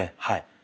はい。